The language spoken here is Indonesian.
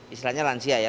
istilahnya lansia ya